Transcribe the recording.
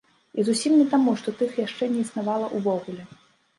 І зусім не таму, што тых яшчэ не існавала ўвогуле.